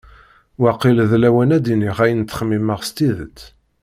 Waqil d lawan ad d-iniɣ ayen ttxemmimeɣ s tidet.